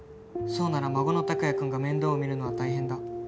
「そうなら孫の託也くんが面倒を見るのは大変だ」